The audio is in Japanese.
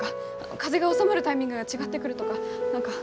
風が収まるタイミングが違ってくるとか何か。